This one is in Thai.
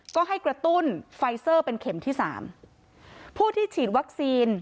ก็ให้กระตุ้นไฟเซอร์เป็นเข็มที่สามผู้ที่ฉีดวัคซีน